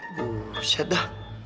aduh siat dah